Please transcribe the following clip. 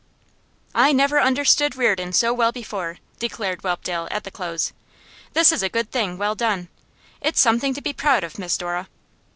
'I never understood Reardon so well before,' declared Whelpdale, at the close. 'This is a good thing well done. It's something to be proud of, Miss Dora.